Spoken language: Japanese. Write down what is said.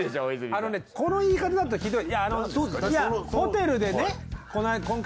あのねこの言い方だとひどい。